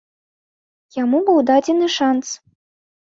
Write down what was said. Яму быў дадзены шанц.